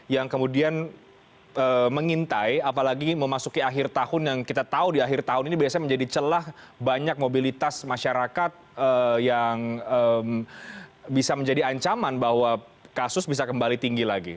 yang kemudian mengintai apalagi memasuki akhir tahun yang kita tahu di akhir tahun ini biasanya menjadi celah banyak mobilitas masyarakat yang bisa menjadi ancaman bahwa kasus bisa kembali tinggi lagi